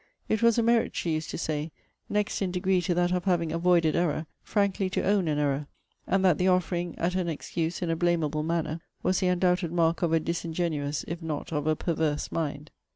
'It was a merit,' she used to say, 'next in degree to that of having avoided error, frankly to own an error. And that the offering at an excuse in a blameable manner, was the undoubted mark of a disingenuous, if not of a perverse mind.'